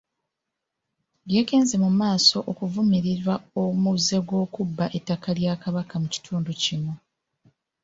Yagenze mumaaso okuvumirira omuze gw'okubba ettaka lya Kabaka mu kitundu kino.